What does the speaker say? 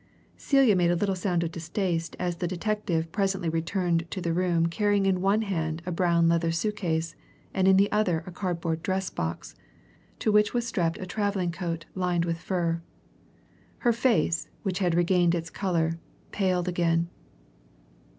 Celia made a little sound of distaste as the detective presently returned to the room carrying in one hand a brown leather suit case, and in the other a cardboard dress box, to which was strapped a travelling coat, lined with fur. Her face, which had regained its colour, paled again.